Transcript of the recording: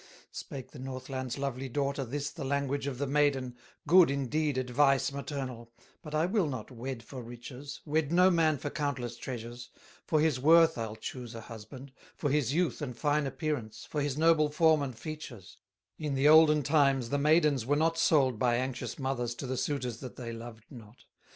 Spake the Northland's lovely daughter, This the language of the maiden: "Good, indeed, advice maternal, But I will not wed for riches, Wed no man for countless treasures; For his worth I'll choose a husband, For his youth and fine appearance, For his noble form and features; In the olden times the maidens Were not sold by anxious mothers To the suitors that they loved not.